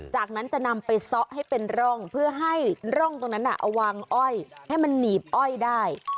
จากนั้นจะนำไปซะให้เป็นร่องเพื่อให้ร่องตรงนั้นเอาวางอ้อยให้มันหนีบอ้อยได้